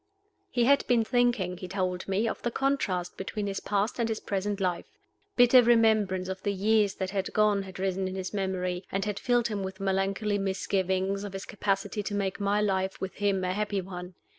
He had been thinking, he told me, of the contrast between his past and his present life. Bitter remembrance of the years that had gone had risen in his memory, and had filled him with melancholy misgivings of his capacity to make my life with him a happy one.